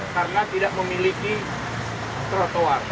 karena tidak memiliki trotoar